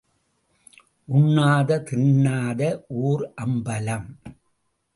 உண்ணாத தின்னாத ஊர் அம்பலம்.